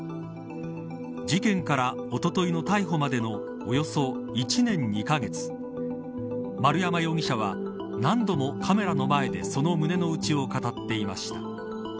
事件から、おとといの逮捕までのおよそ１年２カ月丸山容疑者は何度もカメラの前でその胸の内を語っていました。